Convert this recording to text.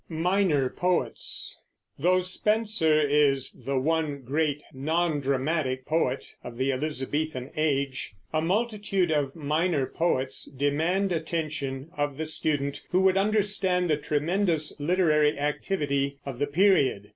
MINOR POETS Though Spenser is the one great non dramatic poet of the Elizabethan Age, a multitude of minor poets demand attention of the student who would understand the tremendous literary activity of the period.